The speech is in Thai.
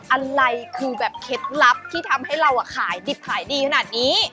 อะไรคุณแบบเคล็ดลับทำให้เราขายดีขนาดนี้